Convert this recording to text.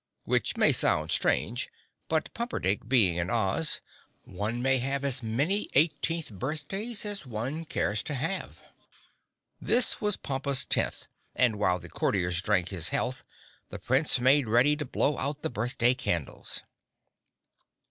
Which may sound strange, but Pumperdink being in Oz, one may have as many eighteenth birthdays as one cares to have. This was Pompa's tenth and while the courtiers drank his health the Prince made ready to blow out the birthday candles.